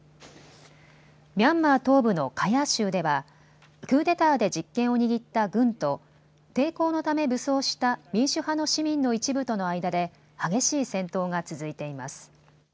ミャンマー東部のカヤー州ではクーデターで実権を握った軍と抵抗のため武装した民主派の市民の一部との間で激しい戦闘が続いています。